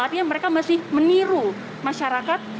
artinya mereka masih meniru masyarakat